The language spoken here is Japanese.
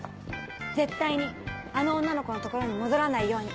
絶対にあの女の子の所に戻らないように。